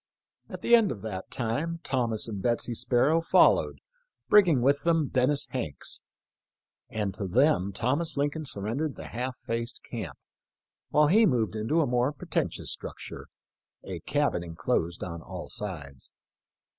At the end of that time Thomas and Betsy Sparrow fol lowed, bringing with them Dennis Hanks; and to them Thomas Lincoln surrendered the "half faced camp," while he moved into a more pretentious structure — a cabin enclosed on all sides.